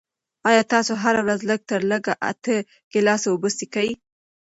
آیا تاسو هره ورځ لږ تر لږه اته ګیلاسه اوبه څښئ؟